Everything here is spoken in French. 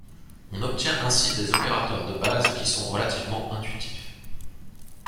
On obtient ainsi des opérateurs de base qui sont relativement intuitifs.